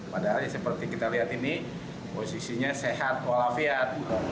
padahal seperti kita lihat ini posisinya sehat walafiat